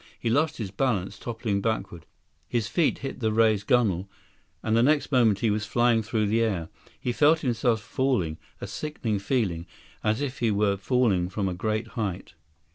He lost his balance, toppling backward. His feet hit the raised gunnel, and the next moment he was flying through the air. He felt himself falling, a sickening feeling, as if he were falling from a great height.